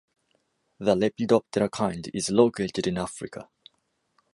The Lepidoptera kind is located in Africa.